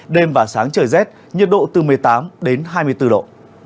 đêm và sáng trời rét nhiệt độ từ một mươi tám đến hai mươi bốn độ